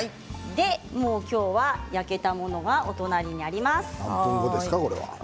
もう今日は焼けたものがお隣にあります。